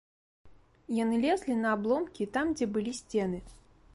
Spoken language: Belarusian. Яны лезлі на абломкі там, дзе былі сцены.